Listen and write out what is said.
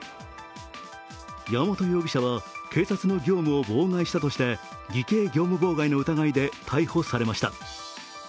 山本容疑者は警察の業務を妨害したとして偽計業務妨害の疑いで逮捕されました。